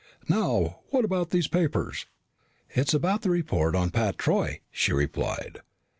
"Now, what about these papers?" "It's about the report on Pat Troy," she replied.